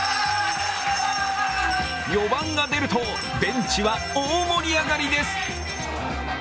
４番が出ると、ベンチは大盛り上がりです。